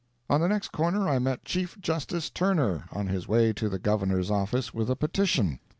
On the next corner I met Chief Justice Turner, on his way to the Governor's office with a petition.